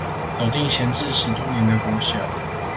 走進閒置十多年的國小